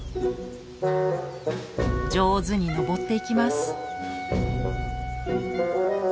上手に登っていきます。